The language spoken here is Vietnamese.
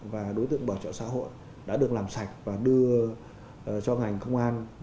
và đối tượng bảo trợ xã hội đã được làm sạch và đưa cho ngành công an